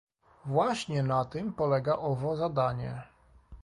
Właśnie na tym polega owo zadanie